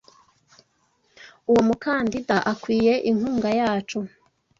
Uwo mukandida akwiye inkunga yacu.